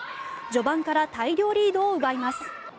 序盤から大量リードを奪います。